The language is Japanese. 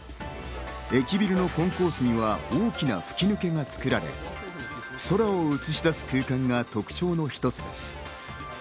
駅ビルのコンコースには大きな吹き抜けが作られ、空を映し出す空間が特徴の一つです。